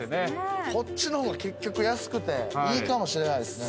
こっちの方が結局安くていいかもしれないですね。